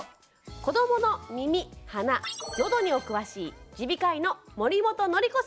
子どもの耳鼻のどにお詳しい耳鼻科医の守本倫子さんです。